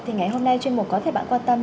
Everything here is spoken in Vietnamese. thì ngày hôm nay chuyên mục có thể bạn quan tâm